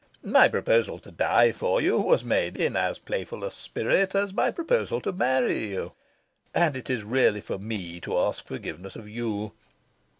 My proposal to die for you was made in as playful a spirit as my proposal to marry you. And it is really for me to ask forgiveness of you.